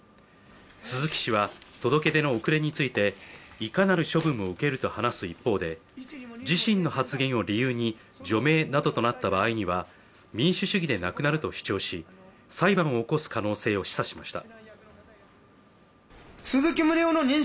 鈴木氏は、届け出の遅れについていかなる処分も受けると話す一方で、自身の発言を理由に除名などとなった場合には民主主義でなくなると主張し裁判を起こす可能性を示唆しました。